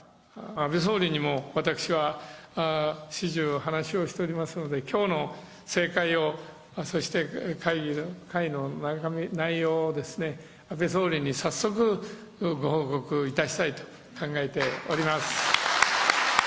安倍総理にも私は始終話をしておりますので、きょうの盛会を、そして会の内容をですね、安倍総理に早速、ご報告いたしたいと考えております。